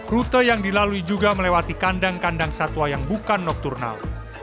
rute yang dilalui juga melewati kandang kandang satwa yang bukan nokturnal